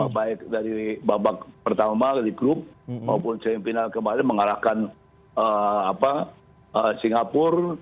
baik dari babak pertama di klub maupun semi final kemarin mengalahkan singapura